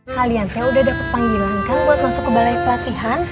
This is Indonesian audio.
kalian saya udah dapat panggilan kan buat masuk ke balai pelatihan